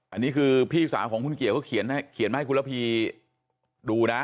อันนี้คือพี่สาวของคุณเกี่ยวเขาเขียนมาให้คุณระพีดูนะ